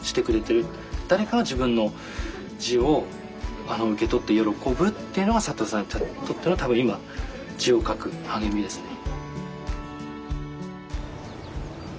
誰かが自分の字を受け取って喜ぶっていうのが覚さんにとっての多分今字を書く励みですね。